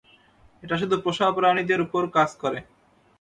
এটা শুধু পোষাপ্রাণীদের ওপর কাজ করে।